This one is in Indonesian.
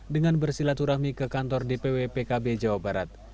dengan bersilaturahmi ke kantor dpw pkb jawa barat